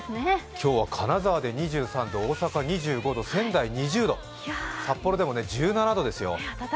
今日は金沢で２３度、大阪で２５度、仙台は２０度、札幌でも１７度ですよ。